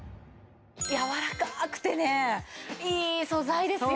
やわらかくてねいい素材ですよ。